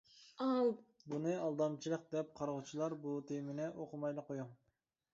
بۇنى ئالدامچىلىق دەپ قارىغۇچىلار بۇ تېمىنى ئوقۇمايلا قويۇڭ.